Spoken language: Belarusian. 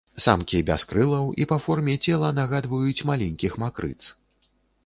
Самкі без крылаў і па форме цела нагадваюць маленькіх макрыц.